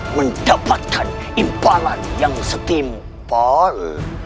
mendapatkan impangan yang setimpal